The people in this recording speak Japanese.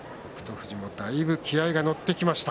富士もだいぶ気合いが乗ってきました。